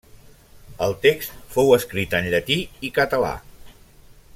El text fou escrit en llatí i català.